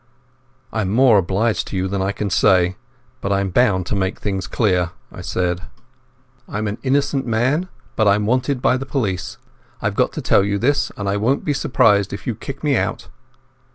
"I'm more obliged to you than I can say, but I'm bound to make things clear," I said. "I'm an innocent man, but I'm wanted by the police. I've got to tell you this, and I won't be surprised if you kick me out."